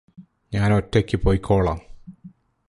ഞാൻ ഒറ്റയ്ക്ക് പൊയ്ക്കോളാം.